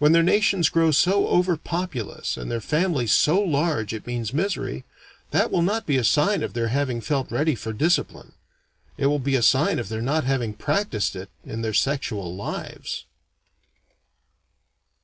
When their nations grow so over populous and their families so large it means misery, that will not be a sign of their having felt ready for discipline. It will be a sign of their not having practised it in their sexual lives.